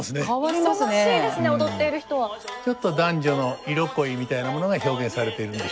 ちょっと男女の色恋みたいなものが表現されているんでしょうか。